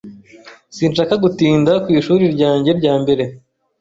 Sinshaka gutinda ku ishuri ryanjye rya mbere.